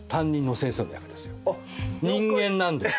人間なんです。